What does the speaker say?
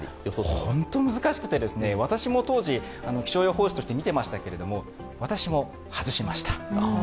本当に難しくて、私も当時、気象予報士として見ていましたけど私も外しました。